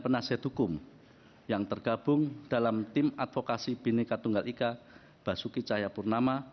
empat penasihat hukum yang tergabung dalam tim advokasi bini katunggal ika basuki cayapurnama